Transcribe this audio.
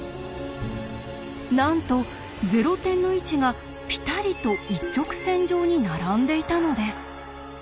なんとゼロ点の位置がピタリと一直線上に並んでいたのです。